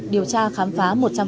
điều tra khám phá một trăm linh